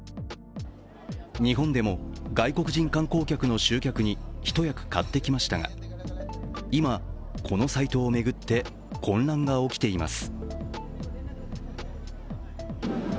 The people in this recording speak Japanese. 日本でも外国人観光客の集客に一役買ってきましたが今、このサイトを巡って混乱が起きています。